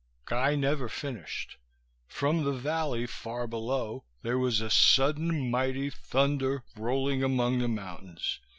Guy never finished. From the valley, far below, there was a sudden mighty thunder, rolling among the mountains.